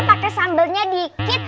pakai sambelnya dikit